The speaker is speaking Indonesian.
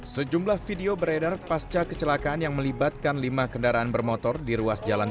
sejumlah video beredar pasca kecelakaan yang melibatkan lima kendaraan bermotor di ruas jalan